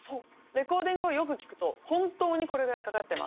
レコーディングをよく聴くと本当にこれぐらいかかってます。